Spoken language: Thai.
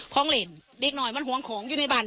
ของเล่นเด็กหน่อยมันหวงของอยู่ในบ้าน